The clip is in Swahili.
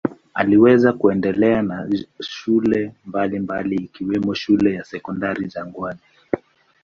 Aliweza kuendelea na shule mbalimbali ikiwemo shule ya Sekondari Jangwani.